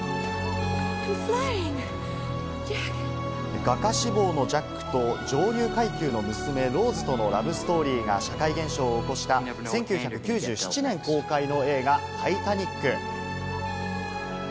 画家志望のジャックと上流階級の娘・ローズとのラブストーリーが社会現象を起こした、１９９７年公開の映画『タイタニック』。